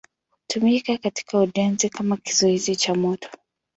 Hutumika katika ujenzi kama kizuizi cha moto.